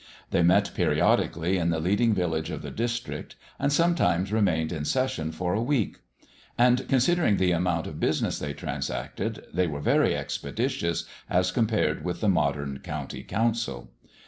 They met periodically in the leading village of the district and sometimes remained in session for a week, and, considering the amount of business they transacted, they were very expeditious, as compared with the modern county council.